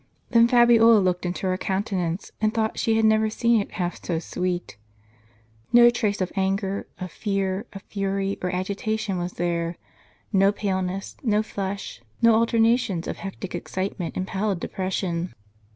Then Fabiola looked into her countenance, and thought she had never seen it half so sweet. No trace of anger, of fear, of flurry, or agitation was there ; no paleness, no flush, no alternations of hectic excitement and pallid depression.